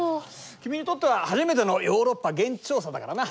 君にとっては初めてのヨーロッパ現地調査だからな。